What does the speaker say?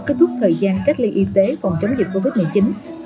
kết thúc thời gian cách ly y tế phòng chống dịch covid một mươi chín